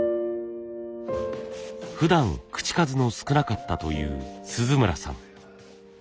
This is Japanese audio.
ふだん口数の少なかったという鈴村さん。